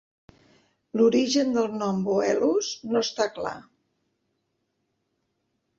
L'origen del nom Boelus no està clar.